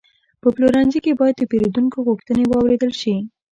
په پلورنځي کې باید د پیرودونکو غوښتنې واورېدل شي.